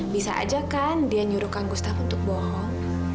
bisa aja kan dia nyuruh kang gustaf untuk bohong